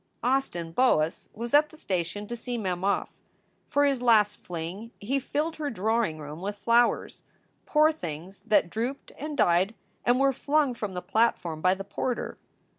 Austin Boas was at the station to see Mem off. For his last fling he filled her drawing room with flowers poor things that drooped and died and were flung from the plat form by the porter.